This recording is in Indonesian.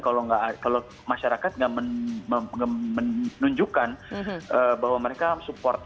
kalau masyarakat nggak menunjukkan bahwa mereka support